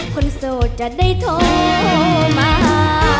โสดจะได้โทรมา